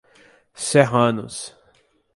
Serranos